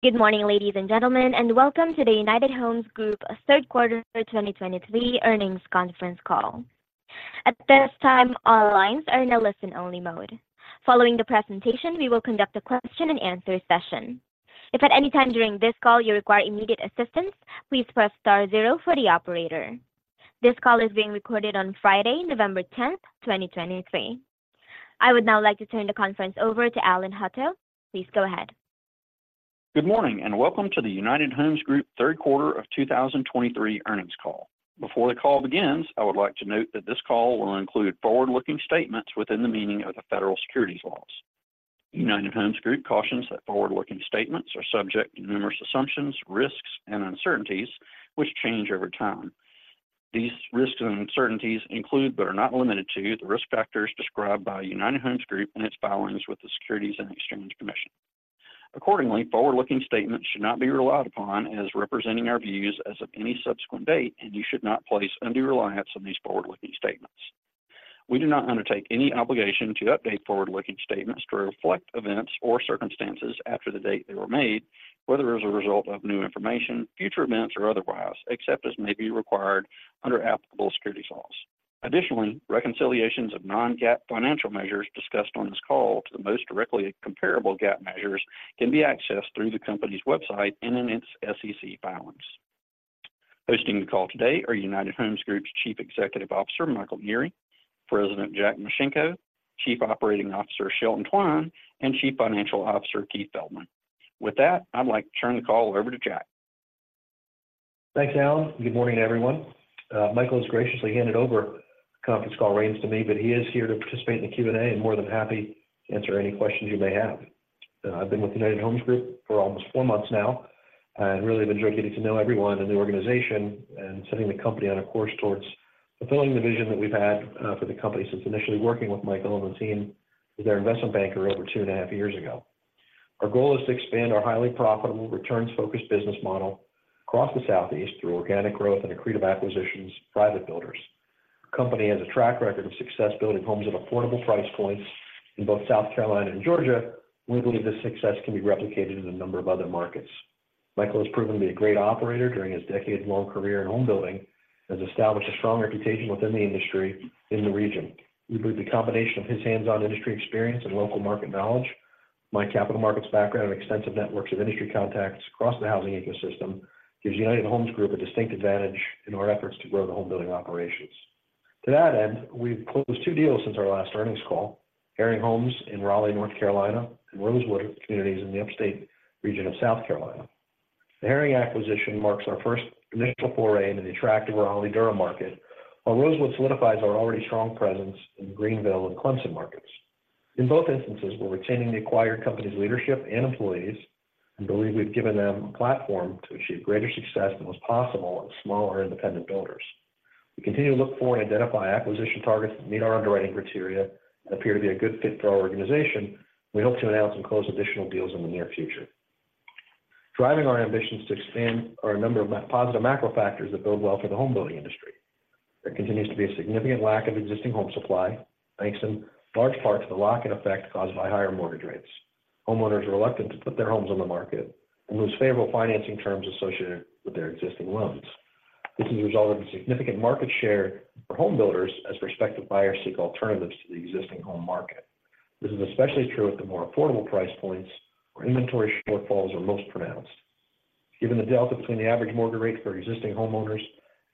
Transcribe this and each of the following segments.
Good morning, ladies and gentlemen, and welcome to the United Homes Group third quarter of 2023 earnings conference call. At this time, all lines are in a listen-only mode. Following the presentation, we will conduct a question-and-answer session. If at any time during this call you require immediate assistance, please press star zero for the operator. This call is being recorded on Friday, November 10, 2023. I would now like to turn the conference over to Allen Hutto. Please go ahead. Good morning, and welcome to the United Homes Group third quarter of 2023 earnings call. Before the call begins, I would like to note that this call will include forward-looking statements within the meaning of the Federal Securities Laws. United Homes Group cautions that forward-looking statements are subject to numerous assumptions, risks, and uncertainties, which change over time. These risks and uncertainties include, but are not limited to, the risk factors described by United Homes Group in its filings with the Securities and Exchange Commission. Accordingly, forward-looking statements should not be relied upon as representing our views as of any subsequent date, and you should not place undue reliance on these forward-looking statements. We do not undertake any obligation to update forward-looking statements to reflect events or circumstances after the date they were made, whether as a result of new information, future events, or otherwise, except as may be required under applicable securities laws. Additionally, reconciliations of non-GAAP financial measures discussed on this call to the most directly comparable GAAP measures can be accessed through the company's website and in its SEC filings. Hosting the call today are United Homes Group's Chief Executive Officer, Michael Nieri, President, Jack Micenko, Chief Operating Officer, Shelton Twine, and Chief Financial Officer, Keith Feldman. With that, I'd like to turn the call over to Jack. Thanks, Allen. Good morning, everyone. Michael has graciously handed over the conference call reins to me, but he is here to participate in the Q&A, and more than happy to answer any questions you may have. I've been with United Homes Group for almost four months now, and really have enjoyed getting to know everyone in the organization and setting the company on a course towards fulfilling the vision that we've had, for the company since initially working with Michael and the team as their investment banker over two and a half years ago. Our goal is to expand our highly profitable, returns-focused business model across the Southeast through organic growth and accretive acquisitions of private builders. The company has a track record of success building homes at affordable price points in both South Carolina and Georgia. We believe this success can be replicated in a number of other markets. Michael has proven to be a great operator during his decades-long career in home building, and has established a strong reputation within the industry in the region. We believe the combination of his hands-on industry experience and local market knowledge, my capital markets background, and extensive networks of industry contacts across the housing ecosystem, gives United Homes Group a distinct advantage in our efforts to grow the home building operations. To that end, we've closed two deals since our last earnings call: Herring Homes in Raleigh, North Carolina, and Rosewood Communities in the upstate region of South Carolina. The Herring acquisition marks our first initial foray into the attractive Raleigh-Durham market, while Rosewood solidifies our already strong presence in the Greenville and Clemson markets. In both instances, we're retaining the acquired company's leadership and employees and believe we've given them a platform to achieve greater success than was possible with smaller independent builders. We continue to look for and identify acquisition targets that meet our underwriting criteria and appear to be a good fit for our organization. We hope to announce and close additional deals in the near future. Driving our ambitions to expand are a number of positive macro factors that bode well for the home building industry. There continues to be a significant lack of existing home supply, thanks in large part to the lock-in Effect caused by higher mortgage rates. Homeowners are reluctant to put their homes on the market and lose favorable financing terms associated with their existing loans. This can result in significant market share for home builders as prospective buyers seek alternatives to the existing home market. This is especially true at the more affordable price points, where inventory shortfalls are most pronounced. Given the delta between the average mortgage rate for existing homeowners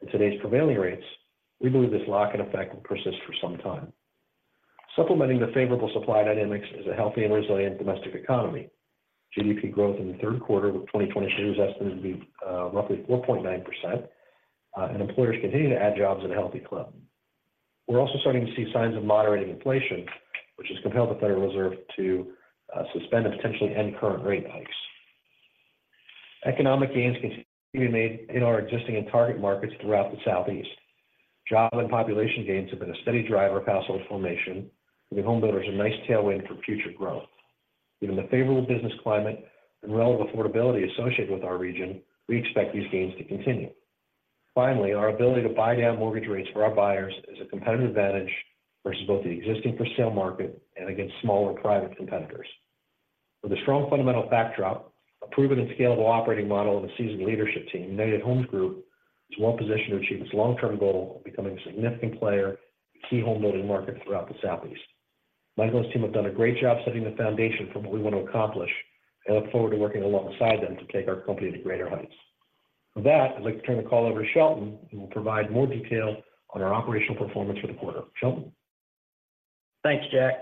and today's prevailing rates, we believe this lock-in effect will persist for some time. Supplementing the favorable supply dynamics is a healthy and resilient domestic economy. GDP growth in the third quarter of 2023 is estimated to be roughly 4.9%, and employers continue to add jobs at a healthy clip. We're also starting to see signs of moderating inflation, which has compelled the Federal Reserve to suspend and potentially end current rate hikes. Economic gains continue to be made in our existing and target markets throughout the Southeast. Job and population gains have been a steady driver of household formation, giving home builders a nice tailwind for future growth. Given the favorable business climate and relative affordability associated with our region, we expect these gains to continue. Finally, our ability to buy down mortgage rates for our buyers is a competitive advantage versus both the existing for-sale market and against smaller private competitors. With a strong fundamental backdrop, a proven and scalable operating model, and a seasoned leadership team, United Homes Group is well-positioned to achieve its long-term goal of becoming a significant player in key homebuilding markets throughout the Southeast. Michael and his team have done a great job setting the foundation for what we want to accomplish. I look forward to working alongside them to take our company to greater heights. For that, I'd like to turn the call over to Shelton, who will provide more detail on our operational performance for the quarter. Shelton? Thanks, Jack.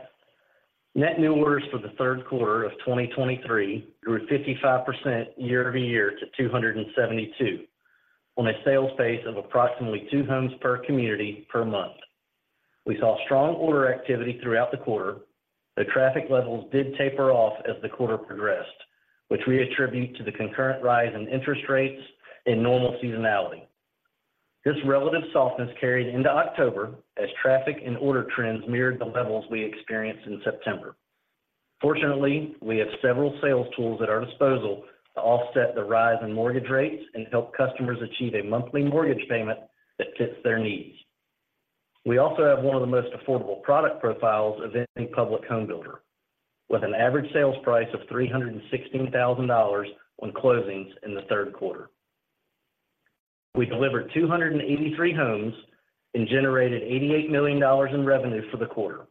Net new orders for the third quarter of 2023 grew 55% year-over-year to 272, on a sales pace of approximately two homes per community per month. We saw strong order activity throughout the quarter, though traffic levels did taper off as the quarter progressed, which we attribute to the concurrent rise in interest rates and normal seasonality. This relative softness carried into October, as traffic and order trends mirrored the levels we experienced in September. Fortunately, we have several sales tools at our disposal to offset the rise in mortgage rates and help customers achieve a monthly mortgage payment that fits their needs.... We also have one of the most affordable product profiles of any public home builder, with an average sales price of $316,000 on closings in the third quarter. We delivered 283 homes and generated $88 million in revenue for the quarter.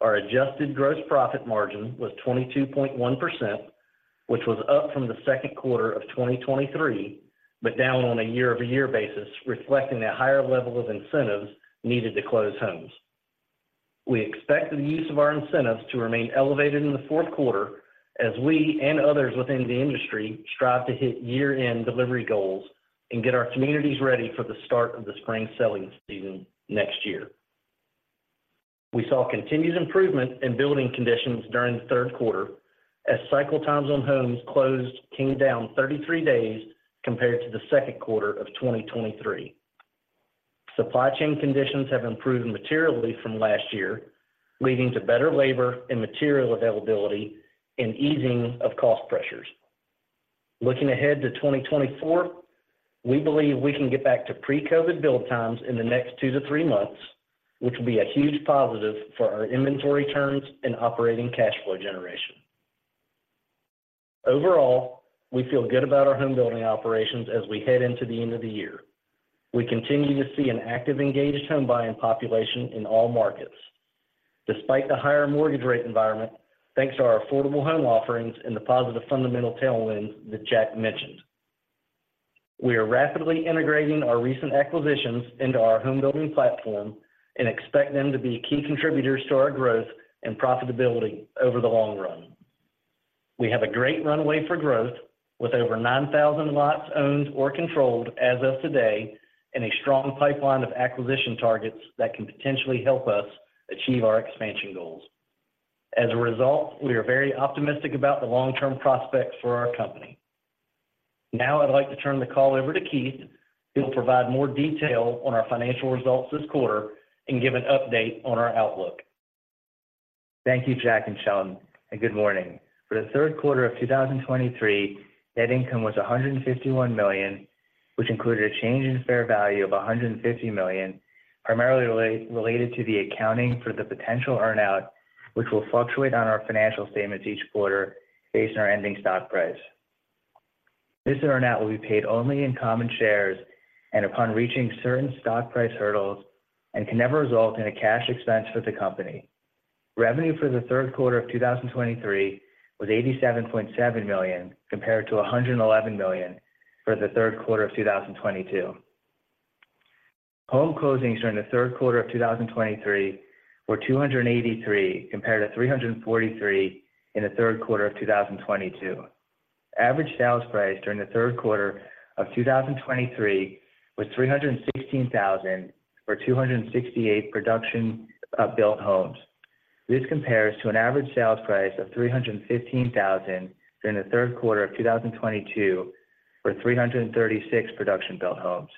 Our adjusted gross profit margin was 22.1%, which was up from the second quarter of 2023, but down on a year-over-year basis, reflecting a higher level of incentives needed to close homes. We expect the use of our incentives to remain elevated in the fourth quarter as we, and others within the industry, strive to hit year-end delivery goals and get our communities ready for the start of the spring selling season next year. We saw continued improvement in building conditions during the third quarter, as cycle times on homes closed came down 33 days compared to the second quarter of 2023. Supply chain conditions have improved materially from last year, leading to better labor and material availability and easing of cost pressures. Looking ahead to 2024, we believe we can get back to pre-COVID build times in the next two to three months, which will be a huge positive for our inventory turns and operating cash flow generation. Overall, we feel good about our home building operations as we head into the end of the year. We continue to see an active, engaged home buying population in all markets. Despite the higher mortgage rate environment, thanks to our affordable home offerings and the positive fundamental tailwinds that Jack mentioned. We are rapidly integrating our recent acquisitions into our home building platform and expect them to be key contributors to our growth and profitability over the long run. We have a great runway for growth, with over 9,000 lots owned or controlled as of today, and a strong pipeline of acquisition targets that can potentially help us achieve our expansion goals. As a result, we are very optimistic about the long-term prospects for our company. Now, I'd like to turn the call over to Keith, who will provide more detail on our financial results this quarter and give an update on our outlook. Thank you, Jack and Shelton, and good morning. For the third quarter of 2023, net income was $151 million, which included a change in fair value of $150 million, primarily related to the accounting for the potential earn-out, which will fluctuate on our financial statements each quarter based on our ending stock price. This earn-out will be paid only in common shares and upon reaching certain stock price hurdles, and can never result in a cash expense for the company. Revenue for the third quarter of 2023 was $87.7 million, compared to $111 million for the third quarter of 2022. Home closings during the third quarter of 2023 were 283, compared to 343 in the third quarter of 2022. Average sales price during the third quarter of 2023 was $316,000 for 268 production-built homes. This compares to an average sales price of $315,000 during the third quarter of 2022 for 336 production-built homes.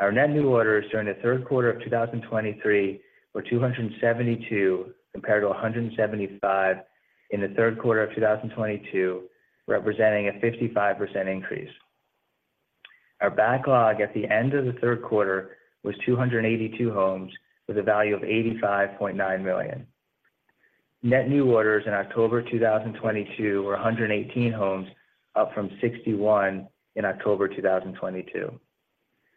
Our net new orders during the third quarter of 2023 were 272, compared to 175 in the third quarter of 2022, representing a 55% increase. Our backlog at the end of the third quarter was 282 homes, with a value of $85.9 million. Net new orders in October 2022 were 118 homes, up from 61 in October 2022.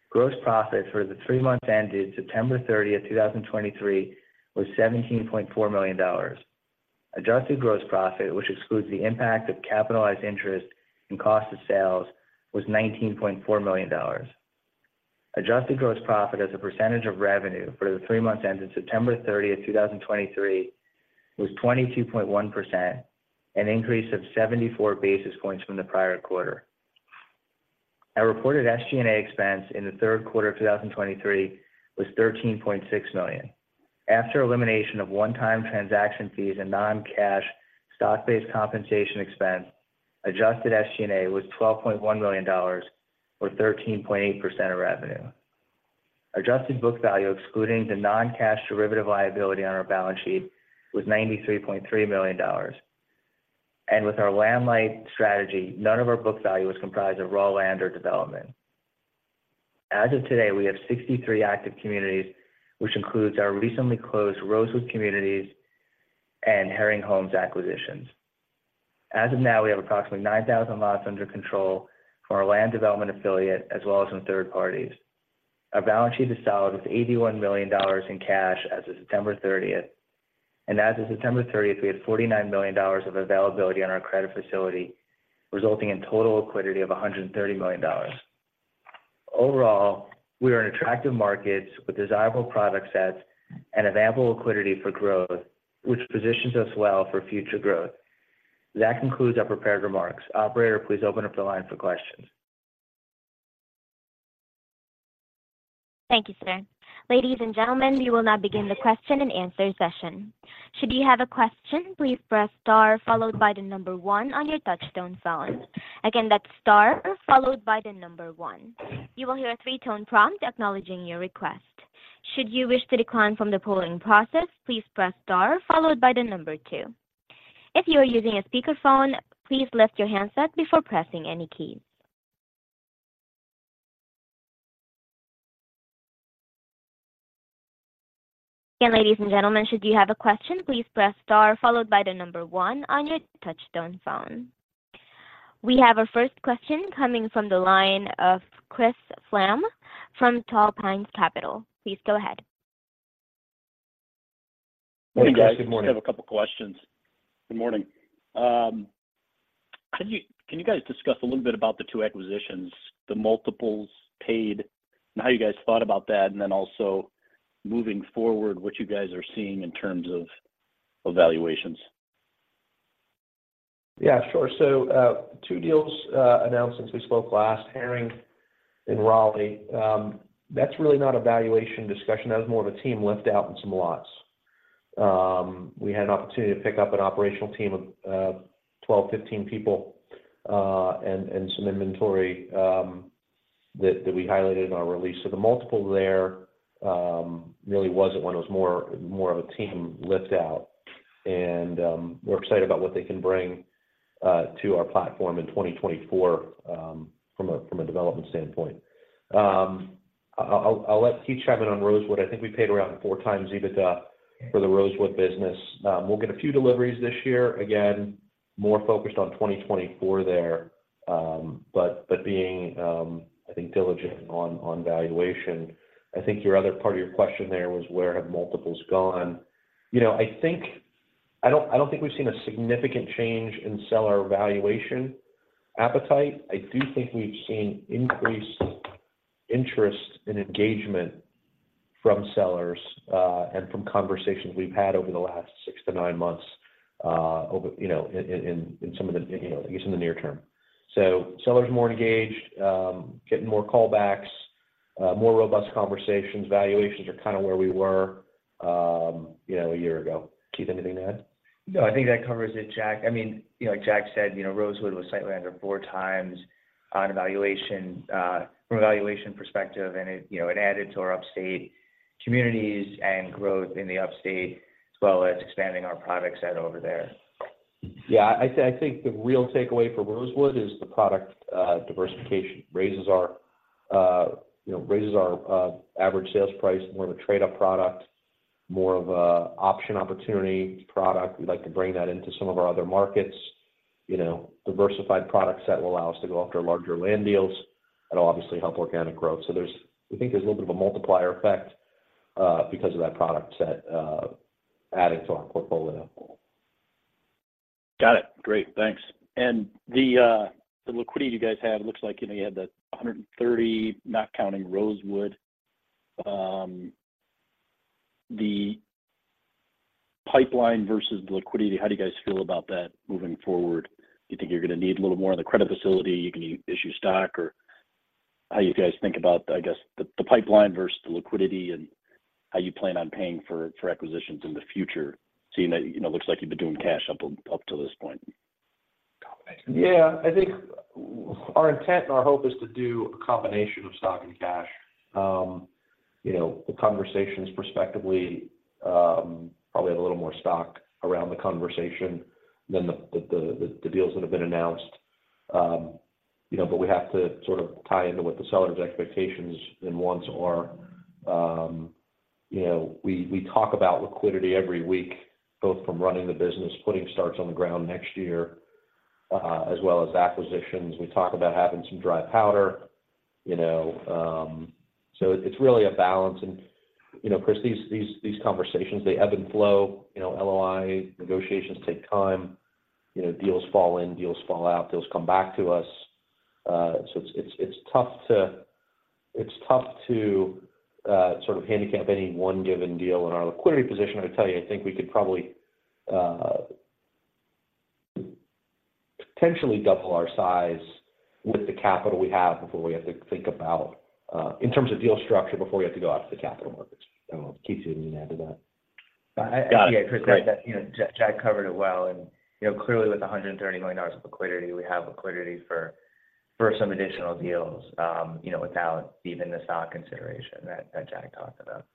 Gross profit for the three months ended September 30, 2023, was $17.4 million. Adjusted gross profit, which excludes the impact of capitalized interest and cost of sales, was $19.4 million. Adjusted gross profit as a percentage of revenue for the three months ended September 30, 2023, was 22.1%, an increase of 74 basis points from the prior quarter. Our reported SG&A expense in the third quarter of 2023 was $13.6 million. After elimination of one-time transaction fees and non-cash stock-based compensation expense, adjusted SG&A was $12.1 million, or 13.8% of revenue. Adjusted book value, excluding the non-cash derivative liability on our balance sheet, was $93.3 million. With our land-light strategy, none of our book value is comprised of raw land or development. As of today, we have 63 active communities, which includes our recently closed Rosewood Communities and Herring Homes acquisitions. As of now, we have approximately 9,000 lots under control for our land development affiliate, as well as from third parties. Our balance sheet is solid, with $81 million in cash as of September 30th. As of September 30th, we had $49 million of availability on our credit facility, resulting in total liquidity of $130 million. Overall, we are in attractive markets with desirable product sets and available liquidity for growth, which positions us well for future growth. That concludes our prepared remarks. Operator, please open up the line for questions. Thank you, sir. Ladies and gentlemen, we will now begin the question-and-answer session. Should you have a question, please press star followed by the number one on your touchtone phone. Again, that's star followed by the number one. You will hear a three-tone prompt acknowledging your request. Should you wish to decline from the polling process, please press star followed by the number two. If you are using a speakerphone, please lift your handset before pressing any keys.... And ladies and gentlemen, should you have a question, please press star followed by the number one on your touchtone phone. We have our first question coming from the line of Chris Plahm from Tall Pines Capital. Please go ahead. Good morning, guys. Good morning. I just have a couple questions. Good morning. Can you guys discuss a little bit about the two acquisitions, the multiples paid, and how you guys thought about that? And then also, moving forward, what you guys are seeing in terms of valuations? Yeah, sure. So, two deals announced since we spoke last, Herring in Raleigh. That's really not a valuation discussion. That was more of a team lift out in some lots. We had an opportunity to pick up an operational team of 12, 15 people, and some inventory that we highlighted in our release. So the multiple there really wasn't one. It was more of a team lift out, and we're excited about what they can bring to our platform in 2024 from a development standpoint. I'll let Keith chime in on Rosewood. I think we paid around 4x EBITDA for the Rosewood business. We'll get a few deliveries this year. Again, more focused on 2024 there, but being diligent on valuation. I think your other part of your question there was where have multiples gone? You know, I think... I don't, I don't think we've seen a significant change in seller valuation appetite. I do think we've seen increased interest and engagement from sellers, and from conversations we've had over the last six to nine months, over, you know, in some of the, you know, at least in the near term. So sellers more engaged, getting more callbacks, more robust conversations. Valuations are kind of where we were, you know, a year ago. Keith, anything to add? No, I think that covers it, Jack. I mean, you know, like Jack said, you know, Rosewood was slightly under 4x on valuation, from a valuation perspective, and it, you know, it added to our upstate communities and growth in the upstate, as well as expanding our product set over there. Yeah, I think the real takeaway for Rosewood is the product diversification. Raises our, you know, raises our average sales price, more of a trade-up product, more of a option opportunity product. We'd like to bring that into some of our other markets, you know, diversified product set will allow us to go after larger land deals. It'll obviously help organic growth. So there's... We think there's a little bit of a multiplier effect because of that product set adding to our portfolio. Got it. Great, thanks. And the, the liquidity you guys have, looks like, you know, you had that $130, not counting Rosewood. The pipeline versus the liquidity, how do you guys feel about that moving forward? Do you think you're going to need a little more of the credit facility, you can issue stock, or how you guys think about, I guess, the, the pipeline versus the liquidity, and how you plan on paying for, for acquisitions in the future, seeing that, you know, looks like you've been doing cash up till, up till this point? Combination. Yeah, I think our intent and our hope is to do a combination of stock and cash. You know, the conversations prospectively probably have a little more stock around the conversation than the deals that have been announced. You know, but we have to sort of tie into what the seller's expectations and wants are. You know, we talk about liquidity every week, both from running the business, putting starts on the ground next year, as well as acquisitions. We talk about having some dry powder, you know, so it's really a balance. And, you know, Chris, these conversations, they ebb and flow. You know, LOI negotiations take time, you know, deals fall in, deals fall out, deals come back to us. So it's tough to... It's tough to sort of handicap any one given deal in our liquidity position. I tell you, I think we could probably potentially double our size with the capital we have before we have to think about in terms of deal structure, before we have to go out to the capital markets. I don't know. Keith, do you want to add to that? Got it. Great. Yeah, Chris, that, you know, Jack, Jack covered it well, and you know, clearly, with $130 million of liquidity, we have liquidity for some additional deals, you know, without even the stock consideration that Jack talked about.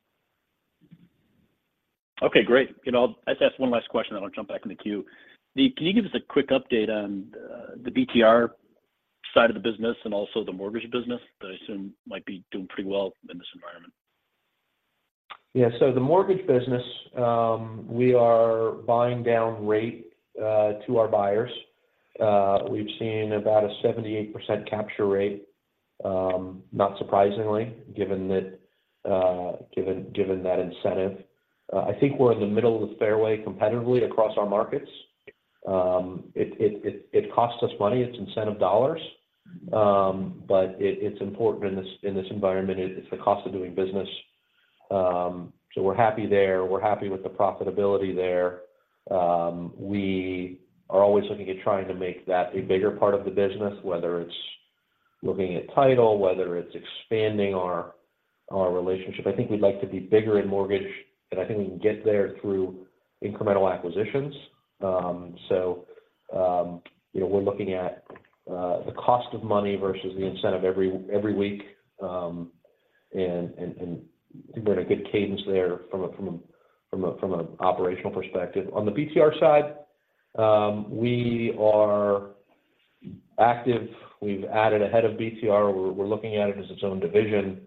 Okay, great. You know, I'll just ask one last question, then I'll jump back in the queue. Can you give us a quick update on the BTR side of the business and also the mortgage business, that I assume might be doing pretty well in this environment? Yeah, so the mortgage business, we are buying down rate to our buyers. We've seen about a 78% capture rate, not surprisingly, given that incentive. I think we're in the middle of the fairway competitively across our markets. It costs us money, it's incentive dollars, but it's important in this environment. It's the cost of doing business. So we're happy there. We're happy with the profitability there. We are always looking at trying to make that a bigger part of the business, whether it's looking at title, whether it's expanding our relationship. I think we'd like to be bigger in mortgage, and I think we can get there through incremental acquisitions. So, you know, we're looking at the cost of money versus the incentive every week, and we've got a good cadence there from a operational perspective. On the BTR side, we are active. We've added a head of BTR. We're looking at it as its own division.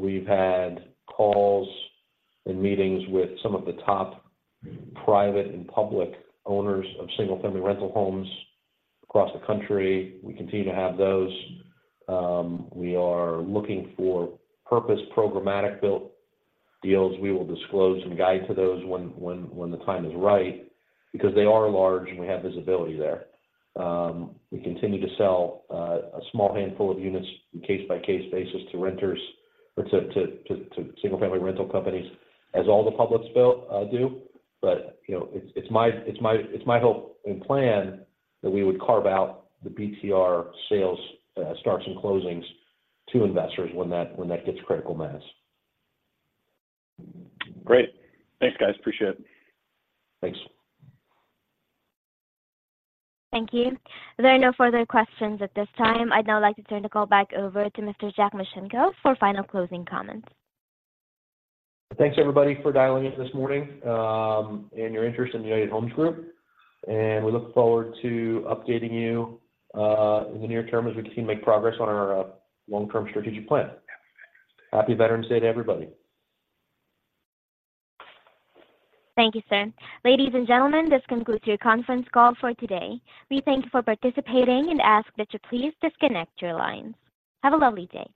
We've had calls and meetings with some of the top private and public owners of single-family rental homes across the country. We continue to have those. We are looking for purpose, programmatic built deals. We will disclose and guide to those when the time is right, because they are large, and we have visibility there. We continue to sell a small handful of units on a case-by-case basis to renters or to single-family rental companies, as all the public builders do. But, you know, it's my hope and plan that we would carve out the BTR sales, starts and closings to investors when that gets critical mass. Great. Thanks, guys. Appreciate it. Thanks. Thank you. There are no further questions at this time. I'd now like to turn the call back over to Mr. Jack Micenko for final closing comments. Thanks, everybody, for dialing in this morning, and your interest in the United Homes Group. We look forward to updating you in the near term as we continue to make progress on our long-term strategic plan. Happy Veterans Day to everybody. Thank you, sir. Ladies and gentlemen, this concludes your conference call for today. We thank you for participating and ask that you please disconnect your lines. Have a lovely day.